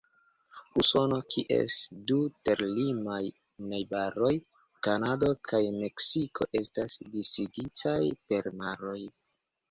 Usono, kies du ter-limaj najbaroj, Kanado kaj Meksiko, estas disigitaj per maroj.